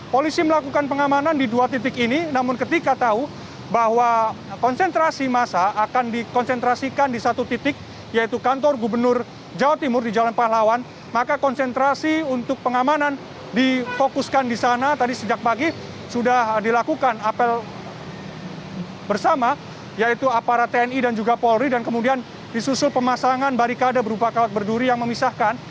polisi melakukan pengamanan di dua titik ini namun ketika tahu bahwa konsentrasi masa akan dikonsentrasikan di satu titik yaitu kantor gubernur jawa timur di jalan pahlawan maka konsentrasi untuk pengamanan difokuskan di sana tadi sejak pagi sudah dilakukan apel bersama yaitu aparat tni dan juga polri dan kemudian disusul pemasangan barikade berupa kawat berduri yang memisahkan